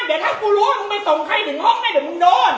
เดี๋ยวถ้ากูรู้คุณไปส่งใครถึงห้องไหนถึงมึงโดน